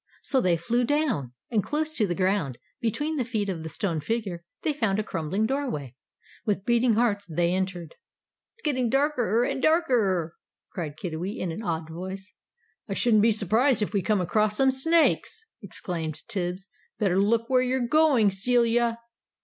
So they flew down. And close to the ground, between the feet of the stone figure, they found a crumbling doorway. With beating hearts, they entered. "It's getting darkerer and darkerer!" cried Kiddiwee, in an awed voice. "I shouldn't be surprised if we come across some snakes!" exclaimed Tibbs. "Better look where you're going, Celia!"